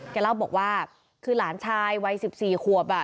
แกเล่าบอกว่าคือหลานชายวัย๑๔ขวบอ่ะ